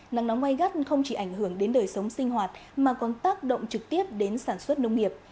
nắng nóng gai gắt không chỉ ảnh hưởng đến đời sống sinh hoạt mà còn tác động trực tiếp đến sản xuất nông nghiệp